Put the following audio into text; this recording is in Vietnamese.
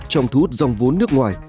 trong thu hút dòng vốn nước ngoài